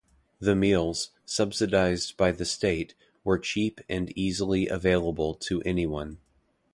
The meals, subsidized by the state, were cheap and easily available to anyone.